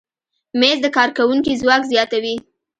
مېز د کارکوونکي ځواک زیاتوي.